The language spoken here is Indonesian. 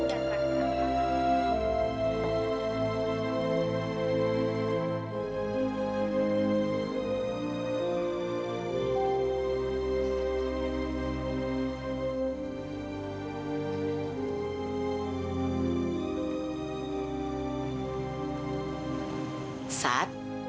oh putus asa